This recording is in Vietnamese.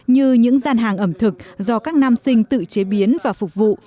như những gian hàng ẩm thực do các nam sinh tự chế biến và phục vụ